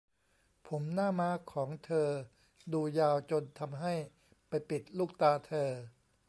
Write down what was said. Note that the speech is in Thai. ผมหน้าม้าของเธอดูยาวจนทำให้ไปปิดลูกตาเธอ